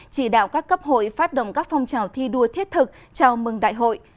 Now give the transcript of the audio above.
chỉ đạo các cấp hội phát động các phong trào thi đua thiết thực chào mừng đại hội